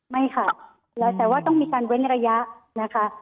ไม่ค่ะแล้วแต่ว่าต้องมีการเว้นระยะนะคะ